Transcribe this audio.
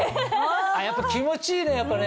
やっぱ気持ちいいねやっぱね。